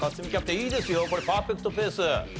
いいですよこれパーフェクトペース。